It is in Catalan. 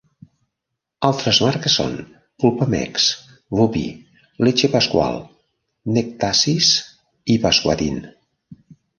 Altres marques són PulpaMex, Woopy, Leche Pascual, Nectasis i Pascuatin.